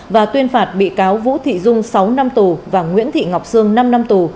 và tuyên phạt bị cáo vũ thị dung sáu năm tù và nguyễn thị ngọc sương năm năm tù